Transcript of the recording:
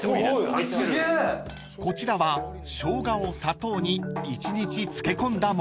［こちらはショウガを砂糖に１日漬け込んだもの］